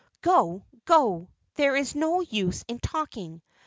"Go go; there is no use in talking.